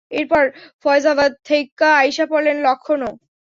এরপর ফয়জাবাদ থেইক্কা, আইসা পড়লেন লখনও।